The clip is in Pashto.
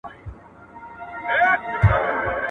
بار چي خر نه وړي، نو په خپله به ئې وړې.